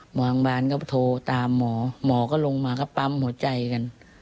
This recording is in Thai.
โรงพยาบาลก็โทรตามหมอหมอก็ลงมาก็ปั๊มหัวใจกัน